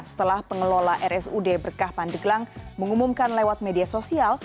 setelah pengelola rsud berkah pandeglang mengumumkan lewat media sosial